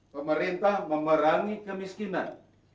pemerintah memerangi kemiskinan